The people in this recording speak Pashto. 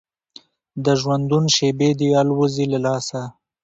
د ژوندون شېبې دي الوزي له لاسه